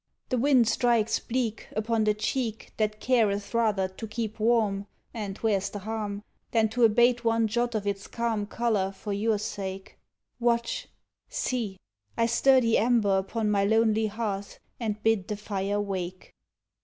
The wind strikes bleak Upon the cheek That careth rather to keep warm, (And where 's the harm?) Than to abate One jot of its calm color for your sake. Watch! See! I stir the ember Upon my lonely hearth and bid the fire wake.